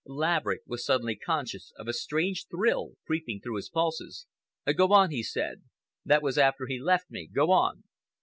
Laverick was suddenly conscious of a strange thrill creeping through his pulses. "Go on," he said. "That was after he left me. Go on."